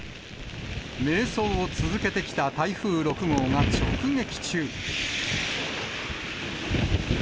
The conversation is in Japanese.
迷走を続けてきた台風６号が直撃中。